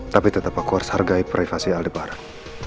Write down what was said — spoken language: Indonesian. tapi tetap aku harus hargai privasi aldebaran